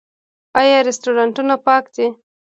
آیا رستورانتونه پاک دي؟